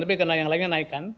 tapi karena yang lainnya naikkan